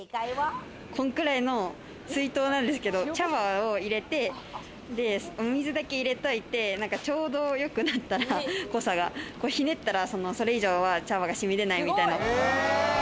こんくらいの水筒なんですけど、茶葉を入れてお水だけ入れといて、ちょうど良くなったら、濃さがひねったらそれ以上は茶葉がしみでないみたいな。